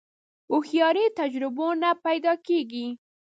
هوښیاري د تجربو نه پیدا کېږي.